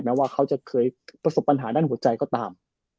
ว่าเขาจะเคยประสบปัญหาด้านหัวใจก็ตาม